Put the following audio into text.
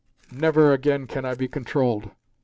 "Never again can I be controlled!